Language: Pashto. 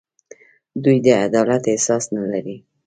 دوی د عدالت احساس نه لري.